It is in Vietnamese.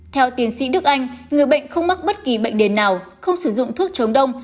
theo tiến sĩ đức anh người bệnh không mắc bất kỳ bệnh nền nào không sử dụng thuốc chống đông